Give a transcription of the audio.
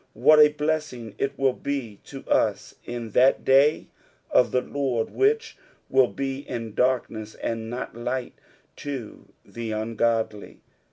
What a blessing it will be to us in that day of the Lord which will be in darkness and not light to the ungodly!